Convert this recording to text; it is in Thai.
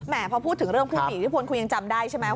พอพูดถึงเรื่องผู้มีอิทธิพลคุณยังจำได้ใช่ไหม